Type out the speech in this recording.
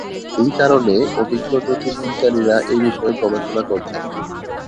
এই কারণে অভিজ্ঞ জ্যোতির্বিজ্ঞানীরা এ বিষয়ে গবেষণা করছেন।